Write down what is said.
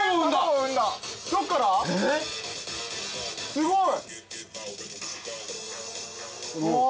すごい！